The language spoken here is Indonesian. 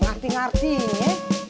nggak ngerti ngerti ya